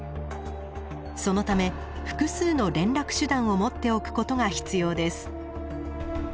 そのため複数の連絡手段を持っておくことが必要です。